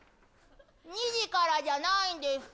２時からじゃないんですか？